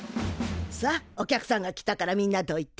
さあお客さんが来たからみんなどいて。